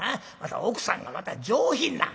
奥さんがまた上品な。